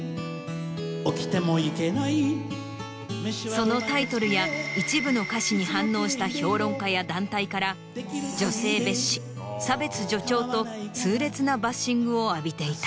そのタイトルや一部の歌詞に反応した評論家や団体から女性蔑視差別助長と痛烈なバッシングを浴びていた。